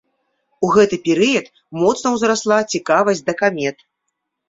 У гэты перыяд моцна ўзрасла цікавасць да камет.